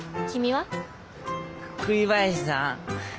栗林さん。